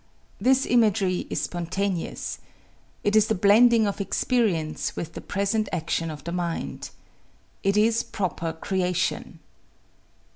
This imagery is spontaneous. It is the blending of experience with the present action of the mind. It is proper creation.